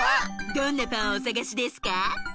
どんなパンをおさがしですか？